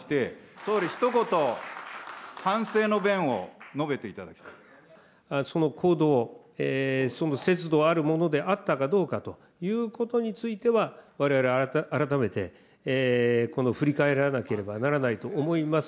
総理、ひと言、反省の弁を述べてその行動、節度あるものであったかどうかということについては、われわれ、改めて振り返らなければならないと思います。